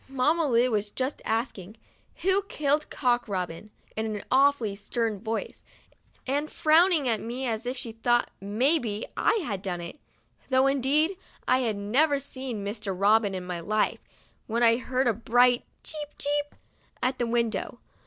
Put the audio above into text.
Mamma Lu was just asking: "Who killed Cock Robin?" in an awfully stern voice, and frowning at me as if she thought maybe I had done it, though indeed 60 THURSDAY— SPANKED I'd never seen Mr. Robin in my life, when I heard a bright "Cheep! Cheep!' at the window.